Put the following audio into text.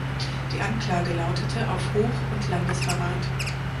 Die Anklage lautete auf Hoch- und Landesverrat.